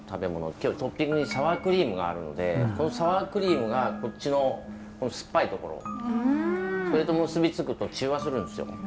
今日トッピングにサワークリームがあるのでこのサワークリームがこっちのこの酸っぱいところそれと結び付くと中和するんですよ。